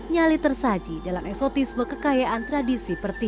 nyale tersaji dalam esotisme kekayaan tradisi pertiwi